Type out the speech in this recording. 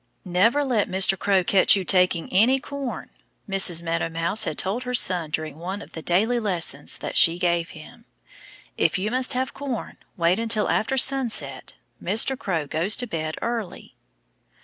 "Never let Mr. Crow catch you taking any corn!" Mrs. Meadow Mouse had told her son during one of the daily lessons that she gave him. "If you must have corn, wait until after sunset. Mr. Crow goes to bed early."